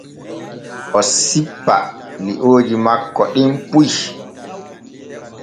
Oo sippa liooji makko ɗim puy.